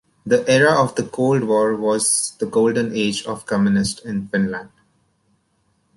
The era of the Cold War was the "golden age" of Communists in Finland.